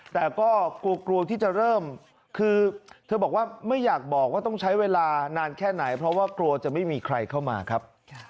แต่ก็กลัวกลัวที่จะเริ่มคือเธอบอกว่าไม่อยากบอกว่าต้องใช้เวลานานแค่ไหนเพราะว่ากลัวจะไม่มีใครเข้ามาครับ